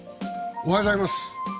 おはようございます。